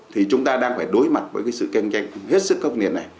thì chúng ta đang phải đối mặt với cái sự khen khen hết sức cấp nền này